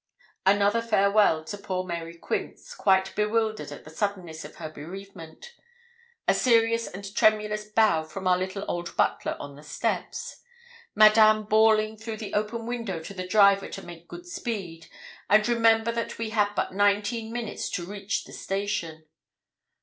Another farewell to poor Mary Quince, quite bewildered at the suddenness of her bereavement. A serious and tremulous bow from our little old butler on the steps. Madame bawling through the open window to the driver to make good speed, and remember that we had but nineteen minutes to reach the station.